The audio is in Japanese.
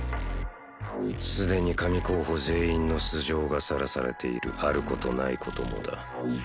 すでに神候補全員の素性がさらされているあることないこともだ